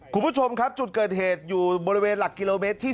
คุณผู้ชมครับจุดเกิดเหตุอยู่บริเวณหลักกิโลเมตรที่๓